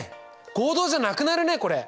合同じゃなくなるねこれ。